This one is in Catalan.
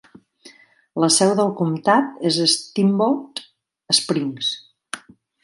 La seu del comtat és Steamboat Springs.